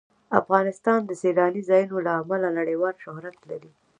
افغانستان د سیلاني ځایونو له امله نړیوال شهرت لري.